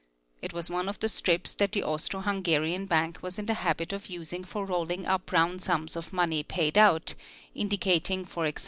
It was one of the strips that the Austro Hungarian Bank was in the habit of using for rolling up round sums of money paid out, indicating, e.g.